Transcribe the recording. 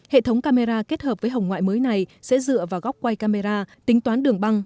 hệ thống camera kết hợp với hồng ngoại mới này sẽ dựa vào góc quay camera tính toán đường băng